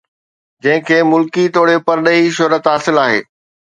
جنهن کي ملڪي توڙي پرڏيهي شهرت حاصل آهي